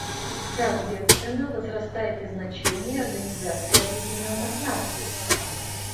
Соответственно, возрастает и значение Организации Объединенных Наций.